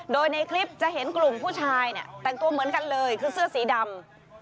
โดยในคลิปจะเห็นกลุ่มผู้ชายเนี่ยแต่งตัวเหมือนกันเลยคือเสื้อสีดำ